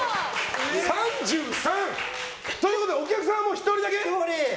３３？ということはお客さんは１人だけ。